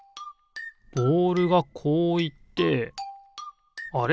ボールがこういってあれ？